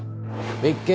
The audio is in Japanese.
別件